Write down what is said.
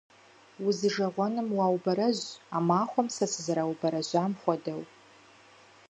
Узижэгъуэным уаубэрэжь а махуэм сэ сызэраубэрэжьам хуэдэу!